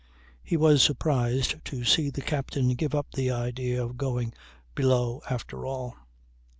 He was surprised to see the captain give up the idea of going below after all.